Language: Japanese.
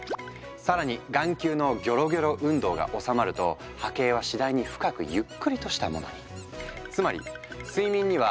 更に眼球のギョロギョロ運動が収まると波形は次第に深くゆっくりとしたものに。